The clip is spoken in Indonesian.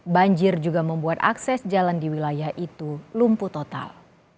banjir juga membuat akses jalan di wilayah itu lumpuh total